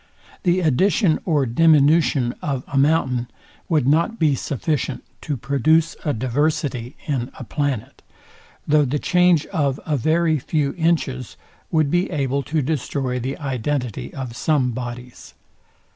The addition or diminution of a mountain would not be sufficient to produce a diversity in a planet: though the change of a very few inches would be able to destroy the identity of some bodies.